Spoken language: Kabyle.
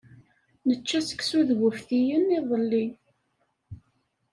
Nečča seksu d wuftiyen iḍelli.